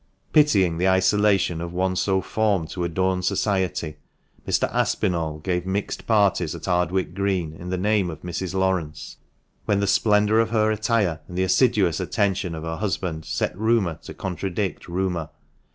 Pitying the isolation of one so formed to adorn society, Mr. Aspinall gave mixed parties at 432 THE MANCHESTER MAN. Ardwick Green in the name of Mrs. Laurence, when the splendour of her attire and the assiduous attention of her husband set rumour to contradict rumour.